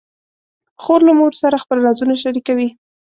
خور له مور سره خپل رازونه شریکوي.